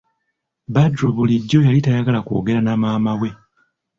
Badru bulijjo yali tayagala kwogera na maama we.